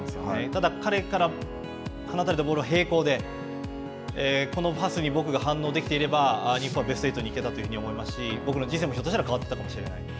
ただ、彼から放たれたボールは平行で、このパスに僕が反応できていれば日本はベスト８に行けたというふうに思いますし、僕の人生も変わったかもしれない。